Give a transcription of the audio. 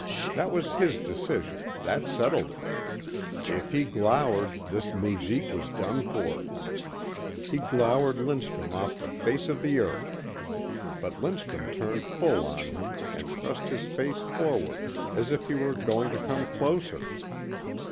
That was his decision, that settled it. If he glowered this moujik was done for. He glowered Lindstrum off the face of the earth. But Lindstrum turned full on him and thrust his face forward as if he were going to come closer.